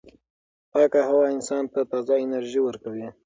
پاکه هوا انسان ته تازه انرژي ورکوي.